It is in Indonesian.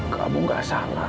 kamu nggak salah